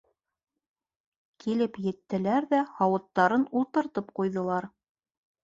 Килеп еттеләр ҙә һауыттарын ултыртып ҡуйҙылар.